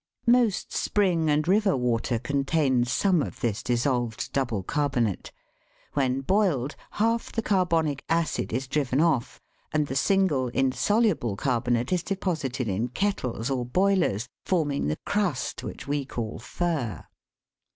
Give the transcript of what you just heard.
Most spring and river water contains some of this dis solved double carbonate ; when boiled, half the carbonic acid is driven off, and the single, insoluble carbonate is deposited in kettles or boilers, forming the crust which we call "fur."